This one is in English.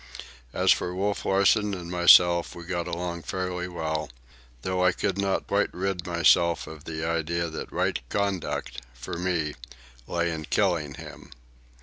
As for Wolf Larsen and myself, we got along fairly well; though I could not quite rid myself of the idea that right conduct, for me, lay in killing him.